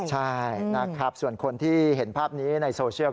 ใช่นะครับส่วนคนที่เห็นภาพนี้ในโซเชียล